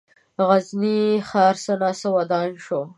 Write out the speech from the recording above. غزني ښار څه ناڅه ودان شو.